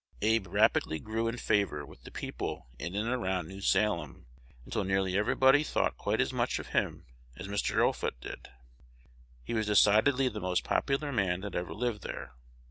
Abe rapidly grew in favor with the people in and around New Salem, until nearly everybody thought quite as much of him as Mr. Offutt did. He was decidedly the most popular man that ever lived there.